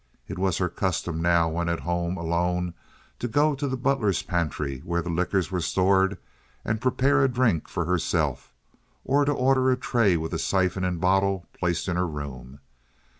It was her custom now when at home alone to go to the butler's pantry where the liquors were stored and prepare a drink for herself, or to order a tray with a siphon and bottle placed in her room.